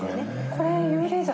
これ幽霊坂